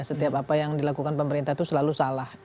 setiap apa yang dilakukan pemerintah itu selalu salah